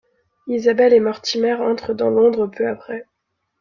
Isabelle et Mortimer entrent dans Londres peu après.